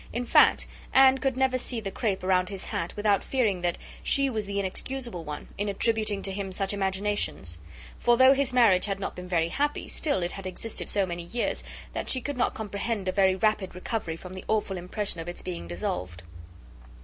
In fact, Anne could never see the crape round his hat, without fearing that she was the inexcusable one, in attributing to him such imaginations; for though his marriage had not been very happy, still it had existed so many years that she could not comprehend a very rapid recovery from the awful impression of its being dissolved.